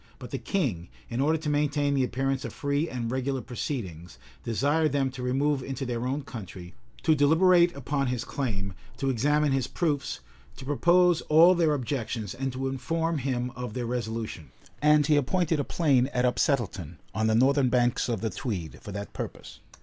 But the king, in order to maintain the appearance of free and regular proceedings, desired them to remove into their own country, to deliberate upon his claim, to examine his proofs, to propose all their objections, and to inform him of their resolution; and he appointed a plain at Upsettleton, on the northern banks of the Tweed, for that purpose.